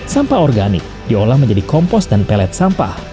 sampah organik diolah menjadi kompos dan pelet sampah